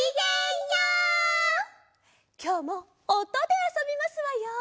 きょうもおとであそびますわよ。